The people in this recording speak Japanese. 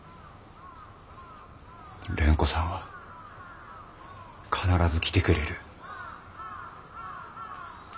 蓮子さんは必ず来てくれる。